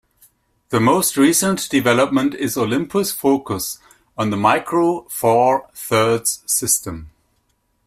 The most recent development is Olympus' focus on the Micro Four Thirds system.